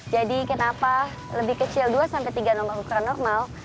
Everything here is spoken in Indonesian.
jadi kenapa lebih kecil dua tiga nomor ukuran normal